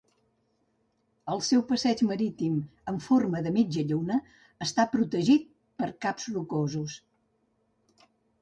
El seu passeig marítim en forma de mitja lluna està protegit per caps rocosos.